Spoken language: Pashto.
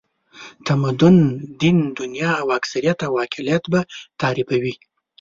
تمدن، دین، دنیا او اکثریت او اقلیت به تعریفوي.